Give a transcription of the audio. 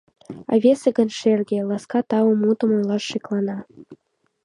А весе гын шерге, ласка тау мутым Ойлаш шеклана.